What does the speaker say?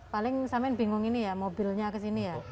paling sama sama bingung ini ya mobilnya kesini ya